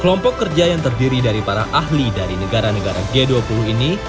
kelompok kerja yang terdiri dari para ahli dari negara negara g dua puluh ini